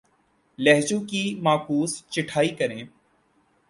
لہجوں کی معکوس چھٹائی کریں